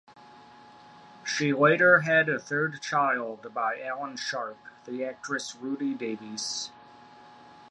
She later had a third child by Alan Sharp, the actress Rudi Davies.